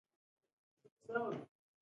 لور او نمسۍ مې په هر ډول سمندر ته لاړې.